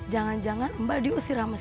jangan jangan mbak diusir sama suaminya